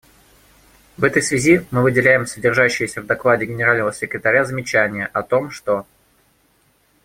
В этой связи мы выделяем содержащееся в докладе Генерального секретаря замечание о том, что.